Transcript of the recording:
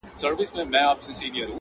د چینار سر ته یې ورسیږي غاړه،